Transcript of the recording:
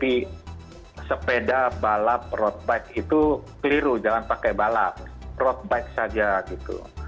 jadi sepeda balap road bike itu keliru jangan pakai balap road bike saja gitu